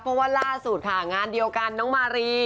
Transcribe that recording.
เพราะว่าล่าสุดค่ะงานเดียวกันน้องมารี